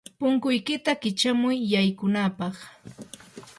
punkuykiyta kichamuy yaykunapaq.